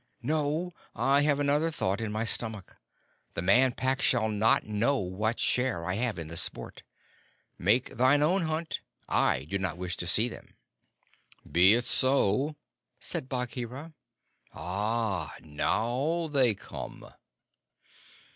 "No; I have another thought in my stomach. The Man Pack shall not know what share I have in the sport. Make thine own hunt. I do not wish to see them." "Be it so," said Bagheera. "Ah, now they come!"